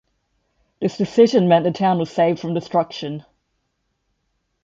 This decision meant the town was saved from destruction.